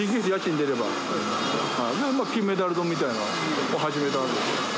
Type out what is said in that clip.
それで金メダル丼みたいなのを始めたんです。